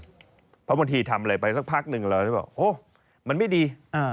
เพราะบางทีทำอะไรไปสักพักหนึ่งเราจะบอกโอ้มันไม่ดี